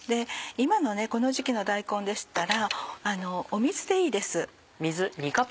今のこの時期の大根でしたら水でいいです。